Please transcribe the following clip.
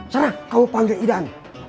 serah kamu panggil idan